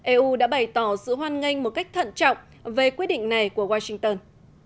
eu đã bày tỏ sự hoan nghênh một cách thận trọng về quyết định này của washington